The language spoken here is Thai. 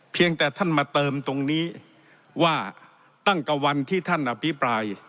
เพียงแต่ท่านมาเติมตรงนี้ว่าตั้งแต่วันที่ท่านอภิปราย